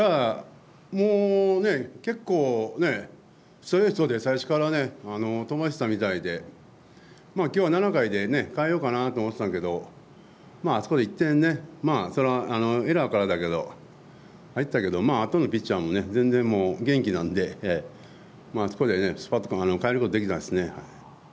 もう結構ストレートで最初から飛ばしていたみたいで今日は７回で代えようかなと思ってたけどあそこで１点、エラーからだけど入ったけどあとのピッチャーも元気なんで、あそこですぱっと代えることできましたね。